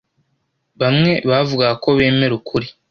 Bamwe bavugaga ko bemera ukuri